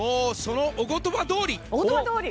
そのお言葉どおり！